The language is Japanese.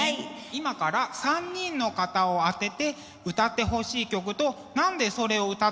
今から３人の方を当てて歌ってほしい曲と何でそれを歌ってほしいのかを聞きます。